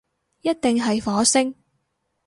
一定係火星